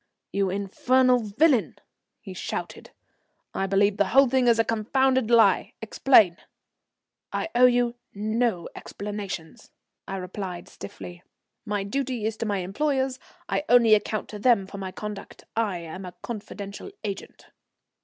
"You infernal villain," he shouted, "I believe the whole thing is a confounded lie! Explain." "I owe you no explanations," I replied stiffly, "my duty is to my employers. I only account to them for my conduct. I am a confidential agent."